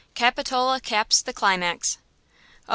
CAPITOLA CAPS THE CLIMAX. Oh!